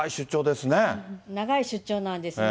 長い出張なんですね。